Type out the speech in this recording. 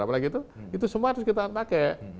apalagi itu itu semua harus kita pakai